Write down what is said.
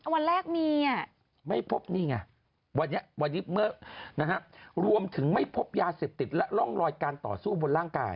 วันแรกมีอ่ะไม่พบนี่ไงวันนี้เมื่อรวมถึงไม่พบยาเสพติดและร่องรอยการต่อสู้บนร่างกาย